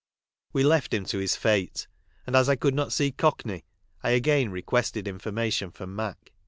We left him to his fate, and as I could not see Cockney I again requested information from Mac.